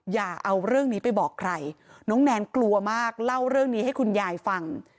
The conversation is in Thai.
อย่าเอาเรื่องนี้ไปบอกใครน้องแนนกลัวมากเล่าเรื่องนี้ให้คุณยายฟัง